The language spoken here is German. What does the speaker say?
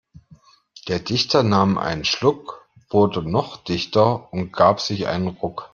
Der Dichter nahm einen Schluck, wurde noch dichter und gab sich einen Ruck.